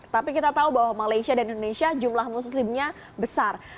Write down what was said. tapi kita tahu bahwa malaysia dan indonesia jumlah muslimnya besar